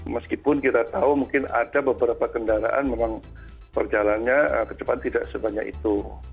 meskipun kita tahu mungkin ada beberapa kendaraan memang perjalannya kecepatan tidak sebanyak itu